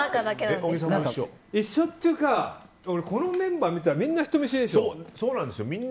一緒っていうかこのメンバー見たらみんな、人見知りでしょ。